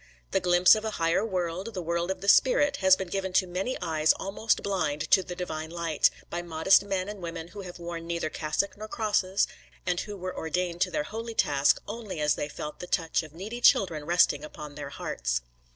The glimpse of a higher world, the world of the spirit, has been given to many eyes almost blind to the divine light, by modest men and women who have worn neither cassock nor crosses, and who were ordained to their holy task only as they felt the touch of needy children resting upon their hearts.